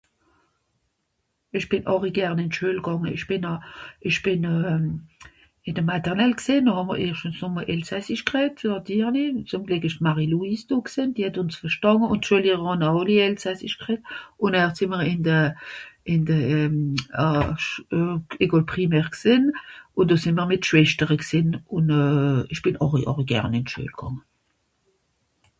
esch bìn horig gern in schul gange esch bìn a esch bìn in de maternelle g'sìn no hamm'r (eich) numme elsassisch g'rett nàtirli zeum gleck esch d'Marie-Louise do gsìn die het uns verstànge un ... àlli elsassisch g'rett un ... se m'r in de in de euhh ohh in de école primaire gsìn un do sem'r mìt schwestere gsìn un euhh esch bìn horig horig gern in schul gange